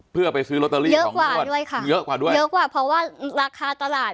เพื่อไปซื้อลอตเตอรี่เยอะกว่าด้วยค่ะเยอะกว่าด้วยเยอะกว่าเพราะว่าราคาตลาด